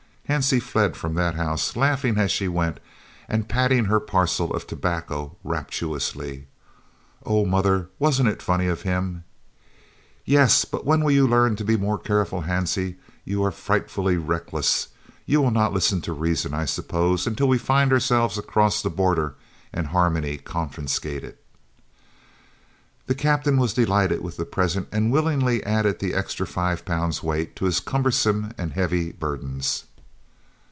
Hansie fled from that house, laughing as she went, and patting her parcel of tobacco rapturously. "Oh, mother, wasn't it funny of him?" "Yes, but when will you learn to be more careful? Hansie, you are frightfully reckless. You will not listen to reason, I suppose, until we find ourselves across the border and Harmony confiscated!" The Captain was delighted with the present and willingly added the extra five pounds weight to his cumbrous and heavy burdens.